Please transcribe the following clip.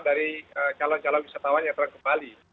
dari calon calon wisatawan yang terang ke bali